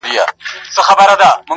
یوه ورځ به زه هم تا دلته راوړمه.!